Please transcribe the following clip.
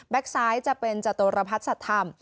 ซ้ายจะเป็นจตุรพัฒน์สัตว์ธรรม